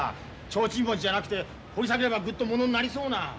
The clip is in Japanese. ちょうちん持ちじゃなくて掘り下げればぐっとものになりそうな。